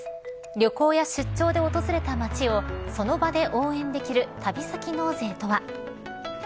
旅行や出張で訪れた街をその場で応援できる旅先納税とは。